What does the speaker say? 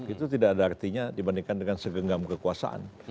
itu tidak ada artinya dibandingkan dengan segenggam kekuasaan